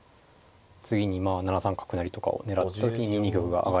次にまあ７三角成とかを狙った時に２二玉が上がれない。